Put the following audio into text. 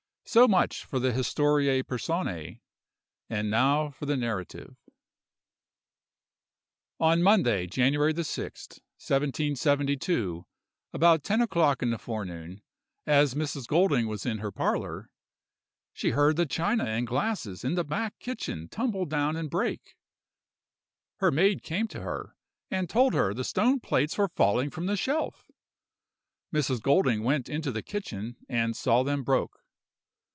So much for the historiæ personæ, and now for the narrative. "On Monday, January the 6th, 1772, about ten o'clock in the forenoon, as Mrs. Golding was in her parlor, she heard the china and glasses in the back kitchen tumble down and break; her maid came to her and told her the stone plates were falling from the shelf; Mrs. Golding went into the kitchen and saw them broke.